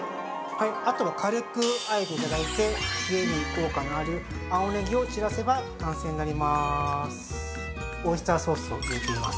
あとは軽くあえていただいて冷えに効果がある青ネギを散らせば完成になりまーす。